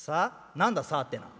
「何ださあってのは。